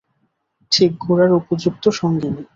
ঠিক গোরার উপযুক্ত সঙ্গিনী।